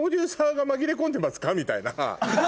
みたいな。